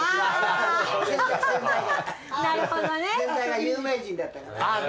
先代が有名人だったから。